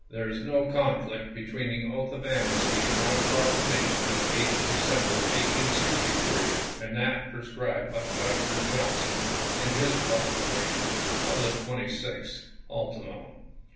There is no conflict between the oath of amnesty in my Proclamation of 8th Decem ber, 1863, and that prescribed by Governor John son in his proclamation of the 26th ultimo.